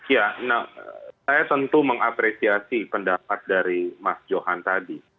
ya saya tentu mengapresiasi pendapat dari mas johan tadi